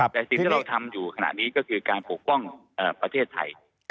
แต่สิ่งที่เราทำอยู่ขณะนี้ก็คือการปกป้องประเทศไทย